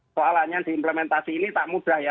soalannya diimplementasi ini tak mudah ya